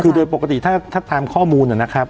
คือโดยปกติถ้าตามข้อมูลนะครับ